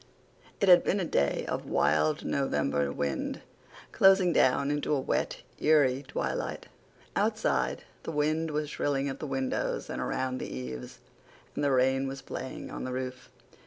It had been a day of wild November wind, closing down into a wet, eerie twilight. Outside, the wind was shrilling at the windows and around the eaves, and the rain was playing on the roof.